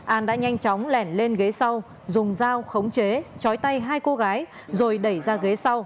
an đã nhanh chóng lèn lên ghế sau dùng dao khống chế chói tay hai cô gái rồi đẩy ra ghế sau